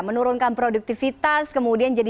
menurunkan produktivitas kemudian jadi